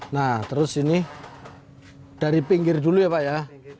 nah terus ini dari pinggir dulu ya pak ya